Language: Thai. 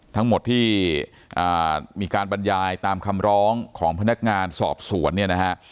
ทั้งหมดที่มีการบรรยายตามคำร้องของพนักงานสอบสวนเนี่ยนะฮะ